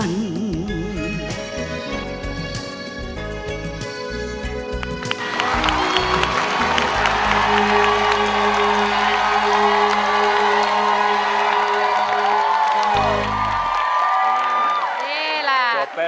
รูปสุดงามสมสังคมเครื่องใครแต่หน้าเสียดายใจทดสกัน